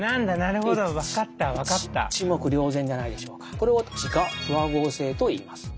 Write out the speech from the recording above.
これを自家不和合性といいます。